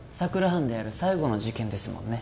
班でやる最後の事件ですもんね